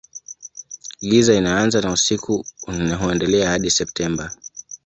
Giza inaanza na usiku huendelea hadi Septemba.